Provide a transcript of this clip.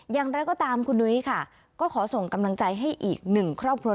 อย่างไรก็ตามคุณนุ้ยค่ะก็ขอส่งกำลังใจให้อีกหนึ่งครอบครัว